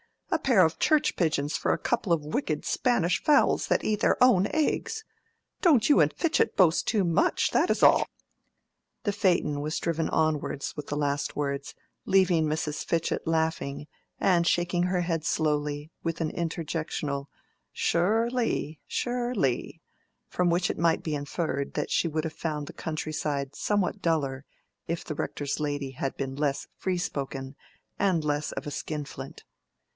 A pair of church pigeons for a couple of wicked Spanish fowls that eat their own eggs! Don't you and Fitchett boast too much, that is all!" The phaeton was driven onwards with the last words, leaving Mrs. Fitchett laughing and shaking her head slowly, with an interjectional "Sure_ly_, sure_ly_!"—from which it might be inferred that she would have found the country side somewhat duller if the Rector's lady had been less free spoken and less of a skinflint.